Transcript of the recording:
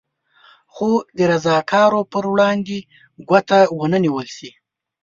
خو د رضاکارو پر وړاندې ګوته ونه نېول شي.